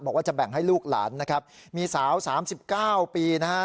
บอกว่าจะแบ่งให้ลูกหลานนะครับมีสาว๓๙ปีนะฮะ